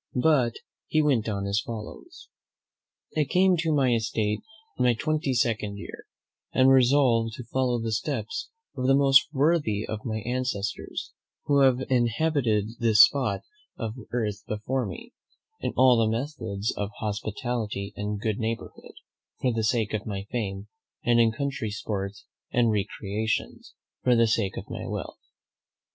But he went on as follows: "I came to my estate in my twenty second year, and resolved to follow the steps of the most worthy of my ancestors who have inhabited this spot of earth before me, in all the methods of hospitality and good neighbourhood, for the sake of my fame; and in country sports and recreations, for the sake of my health.